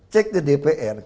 cek di dpr